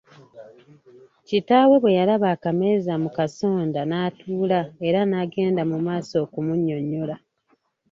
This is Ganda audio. Kitaawe bwe yalaba akameeza mu kasonda n’atuula era n’agenda mu maaso okumunnyonnyola.